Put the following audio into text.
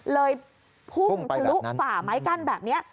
พุ่งทะลุฝ่าไม้กั้นแบบนี้